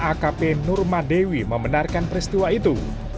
akp nurmadewi membenarkan peristiwa itu